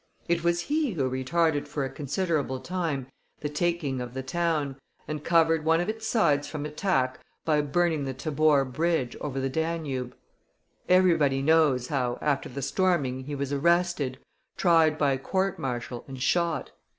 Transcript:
It was he who retarded for a considerable time the taking of the town, and covered one of its sides from attack by burning the Tabor Bridge over the Danube. Everybody knows how, after the storming, he was arrested, tried by court martial, and shot.